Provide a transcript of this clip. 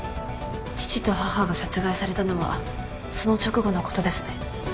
父と母が殺害されたのはその直後のことですね？